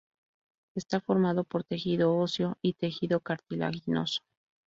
Está formado por tejido óseo y tejido cartilaginoso.